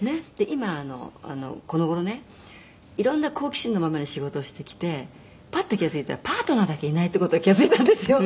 「今この頃ね色んな好奇心のままに仕事をしてきてパッと気が付いたらパートナーだけいないっていう事に気が付いたんですよ。